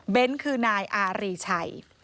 เบนด์คือนายอารีชัย